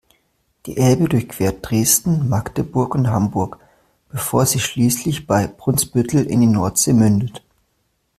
Die Elbe durchquert Dresden, Magdeburg und Hamburg, bevor sie schließlich bei Brunsbüttel in die Nordsee mündet.